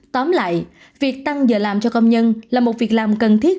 tóm lại việc tăng giờ làm cho công nhân là một việc làm cần thiết